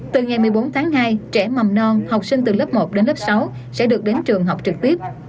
từ ngày một mươi bốn tháng hai trẻ mầm non học sinh từ lớp một đến lớp sáu sẽ được đến trường học trực tiếp